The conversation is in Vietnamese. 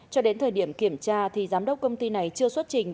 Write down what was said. cho đến thời điểm kiểm tra thì giám đốc công ty này chưa xuất trình